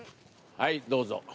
はいどうぞ。